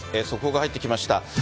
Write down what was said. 速報が入ってきました。